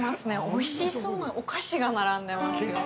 おいしそうなお菓子が並んでますよ。